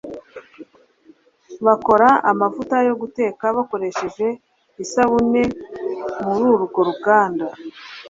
Bakora amavuta yo guteka bakoresheje isabune mururwo ruganda